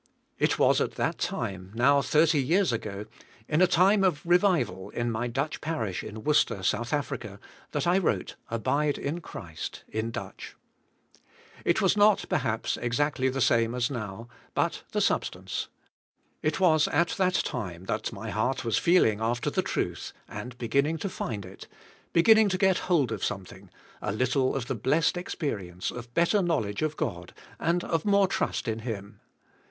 '* It was at that time, now thirty years ag o, in a time of revival in my Dutch parish in Worcester, South Africa, that 1 wrote "Abide in Christ" in Dutch. It was not, per haps, exactly the same as now, but the substance. It was at that time that my heart was feeling after the truth and beginning to find it, beginning" to g^et hold of something" — a little of the blessed experience of better knowledg"e of God and of more trust in Him.